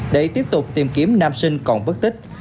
để tiếp tục tìm kiếm nam sinh còn bất tích